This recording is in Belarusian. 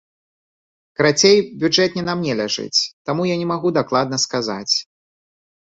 Карацей, бюджэт не на мне ляжыць, таму я не магу дакладна сказаць.